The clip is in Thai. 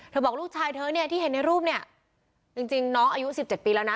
บอกลูกชายเธอเนี่ยที่เห็นในรูปเนี่ยจริงน้องอายุ๑๗ปีแล้วนะ